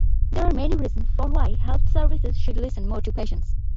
There are many reasons for why health services should listen more to patients.